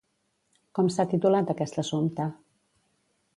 Com s'ha titulat aquest assumpte?